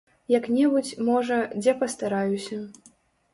Як-небудзь, можа, дзе пастараюся.